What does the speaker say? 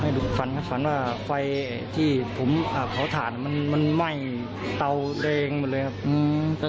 ฝันครับฝันว่าไฟที่ผมเผาถ่านมันไหม้เตาแดงหมดเลยครับ